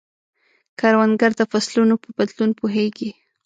کروندګر د فصلونو په بدلون پوهیږي